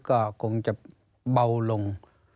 ก็คงจะเบาลง